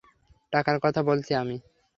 টাকার কথা বলছি আমি।